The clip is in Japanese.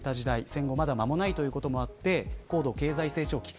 戦後、まだ間もないということもあって高度経済成長期。